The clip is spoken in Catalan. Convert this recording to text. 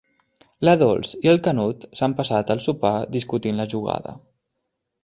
La Dols i el Canut s'han passat el sopar discutint la jugada.